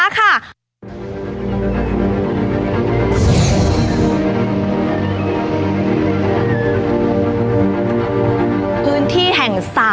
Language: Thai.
คุณผู้ชมตอนนี้คุณผู้ชมอยู่กับดิฉันใบตองราชตะวันโภชนุกูลที่จังหวัดสงคลาค่ะ